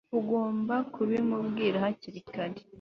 Ugomba kubimubwira hakiri kare